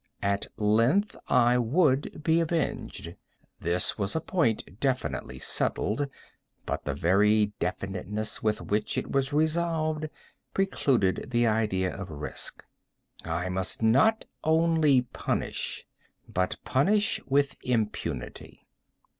At length I would be avenged; this was a point definitively settled—but the very definitiveness with which it was resolved, precluded the idea of risk. I must not only punish, but punish with impunity.